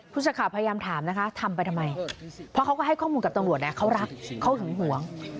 สักข่าวพยายามถามนะคะทำไปทำไมเพราะเขาก็ให้ข้อมูลกับตำรวจนะเขารักเขาหึงหวง